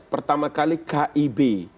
pertama kali kib